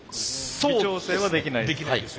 微調整はできないです。